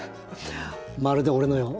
まるで俺のよう。